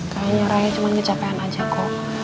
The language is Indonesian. kayanya raya cuma ngecapean aja kok